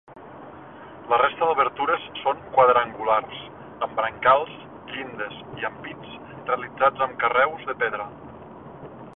La resta d'obertures són quadrangulars, amb brancals, llindes i ampits realitzats amb carreus de pedra.